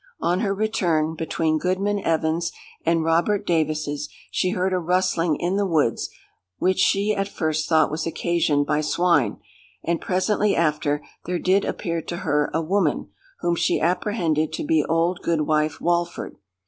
On her return, between Goodman Evens's and Robert Davis's, she heard a rustling in the woods, which she at first thought was occasioned by swine; and presently after, there did appear to her a woman, whom she apprehended to be old Goodwife Walford.